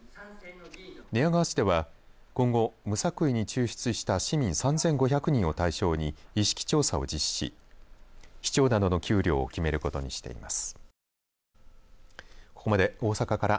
寝屋川市では今後無作為に抽出した市民３５００人を対象に意識調査を実施し市長などの給料を決めることにしています。